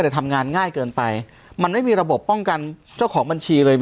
แต่ทำงานง่ายเกินไปมันไม่มีระบบป้องกันเจ้าของบัญชีเลย